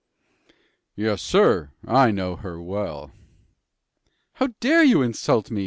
"Yes, sir, I know her well." "How dare you insult me?"